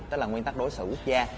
tức là nguyên tắc đối xử quốc gia